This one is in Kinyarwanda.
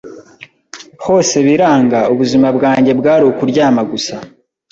hose biranga, ubuzima bwanjye bwari ukuryama gusa